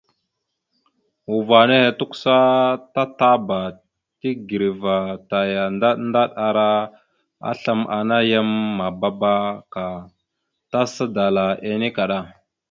Uvah nehe tukəsa tatapa tigəreva taya ndaɗ ndaɗ ara aslam ana yam mabaɗaba ka tasa dala enne kaɗa.